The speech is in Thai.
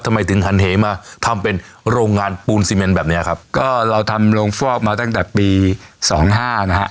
ทำไมถึงหันเหมาทำเป็นโรงงานปูนซีเมนแบบเนี้ยครับก็เราทำโรงฟอกมาตั้งแต่ปีสองห้านะฮะ